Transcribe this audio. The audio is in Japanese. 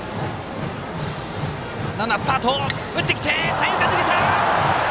三遊間抜けた！